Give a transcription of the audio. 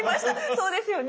そうですよね。